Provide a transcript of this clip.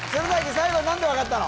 最後何で分かったの？